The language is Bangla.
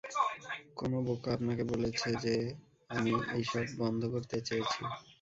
কোন বোকা আপনাকে বলেছে যে আমি এইসব বন্ধ করতে চেয়েছি?